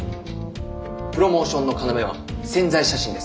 プロモーションの要は宣材写真です。